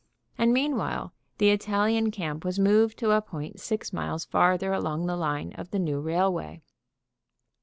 And meanwhile the Italian camp was moved to a point six miles farther along the line of the new railway.